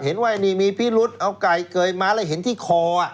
เห็นว่าไอ้นี่มีพิรุษเอาไก่เกยมาแล้วเห็นที่คอ